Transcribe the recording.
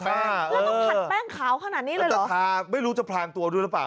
แล้วต้องผัดแป้งขาวขนาดนี้เลยเหรอแต่ทาไม่รู้จะพลางตัวด้วยหรือเปล่า